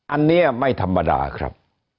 อันนี้ไม่ธรรมดาครับ